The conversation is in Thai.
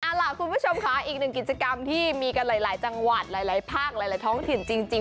อีกหนึ่งกิจกรรมที่มีกันหลายจังหวัดหลายภาคหลายท้องถิ่นจริง